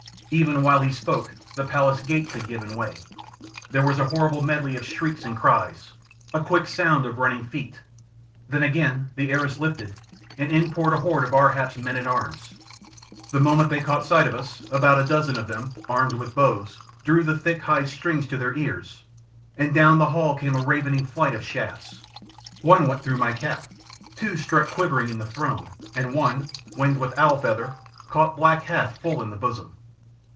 Even while he spoke the palace gates had given way; there was a horrible medley of shrieks and cries, a quick sound of running feet; then again the arras lifted and in poured a horde of Ar hap's men at arms. The moment they caught sight of us about a dozen of them, armed with bows, drew the thick hide strings to their ears and down the hall came a ravening flight of shafts. One went through my cap, two stuck quivering in the throne, and one, winged with owl feather, caught black Hath full in the bosom.